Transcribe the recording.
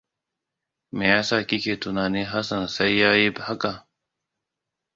Meyasa kike tunanin Hassan sai yayi haka?